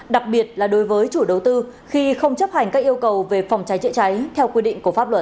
đặc biệt là đối với chủ đầu tư khi không chấp hành các yêu cầu về phòng cháy chữa cháy theo quy định của pháp luật